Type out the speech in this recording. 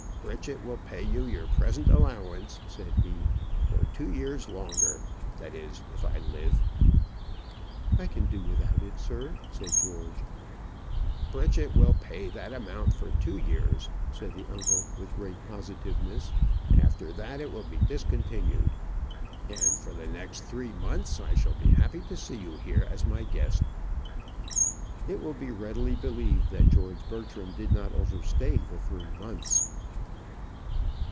"Pritchett will pay you your present allowance," said he, "for two years longer that is, if I live." "I can do without it, sir," said George. "Pritchett will pay that amount for two years," said the uncle, with great positiveness; "after that it will be discontinued. And for the next three months I shall be happy to see you here as my guest." It will be readily believed that George Bertram did not overstay the three months.